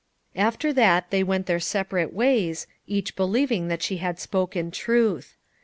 After that they went their separate ways, each believing that she had spoken truth.